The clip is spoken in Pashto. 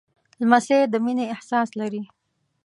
لمسی د مینې احساس لري.